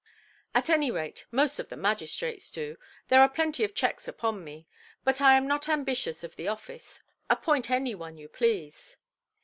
"At any rate, most of the magistrates do. There are plenty of checks upon me. But I am not ambitious of the office. Appoint any one you please".